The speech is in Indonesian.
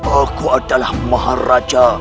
aku adalah maharaja